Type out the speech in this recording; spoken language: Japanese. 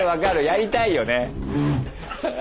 やりたいよね。